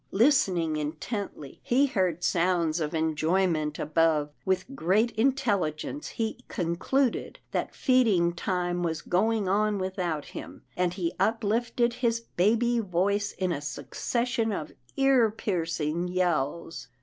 Listening intently, he heard sounds of enjoyment above. With great intelli gence, he concluded that feeding time was going on without him, and he uplifted his baby voice in a succession of ear piercing yells.